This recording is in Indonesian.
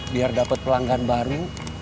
biar dapat pelanggan baru